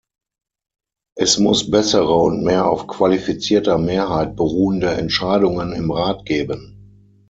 Es muss bessere und mehr auf qualifizierter Mehrheit beruhende Entscheidungen im Rat geben.